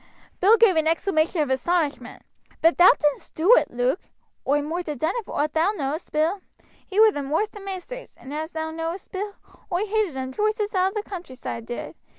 Bill gave an exclamation of astonishment: "But thou didn'st do it, Luke?" "I moight ha' done it for owt thou know'st, Bill. He wer the worst of maisters, and, as thou know'st, Bill, oi hated him joost as all the countryside did.